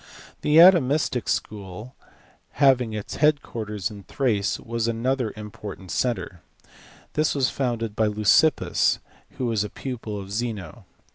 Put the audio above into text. The Atomistic School, having its head quarters in Thrace, was another important centre. This was founded by Leucippus, who was a pupil of Zeno.